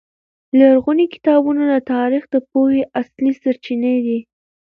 لرغوني کتابونه د تاریخ د پوهې اصلي سرچینې دي.